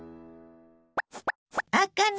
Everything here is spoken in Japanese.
あかね